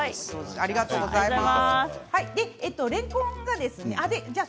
ありがとうございます。